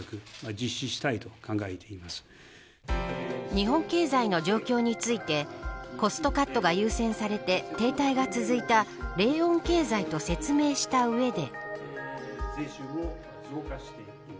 日本経済の状況についてコストカットが優先されて停滞が続いた冷温経済と説明した上で。